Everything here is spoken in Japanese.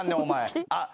あっ。